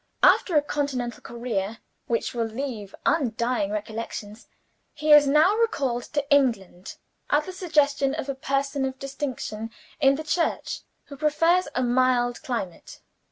After a continental career, which will leave undying recollections, he is now recalled to England at the suggestion of a person of distinction in the Church, who prefers a mild climate.